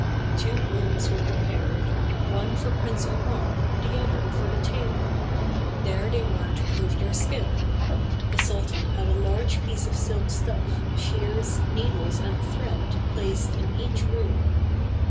Two rooms were prepared; one for Prince Omar, the other for the tailor ; there they were to prove their skill. The sultan had a large piece of silk stuff, shears, needles and thread placed in each room.